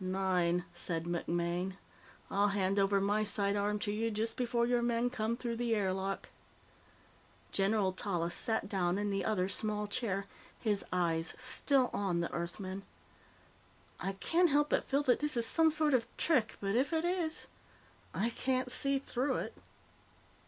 "Nine," said MacMaine. "I'll hand over my sidearm to you just before your men come through the air lock." General Tallis sat down in the other small chair, his eyes still on the Earthman. "I can't help but feel that this is some sort of trick, but if it is, I can't see through it.